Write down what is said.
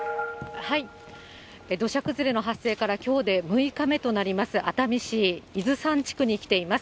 土砂崩れの発生からきょうで６日目となります、熱海市伊豆山地区に来ています。